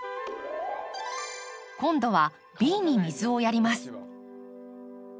今度はＢに水をやります。